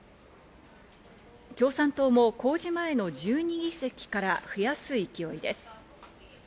共産党も公示前の１２議席から増やす勢いです。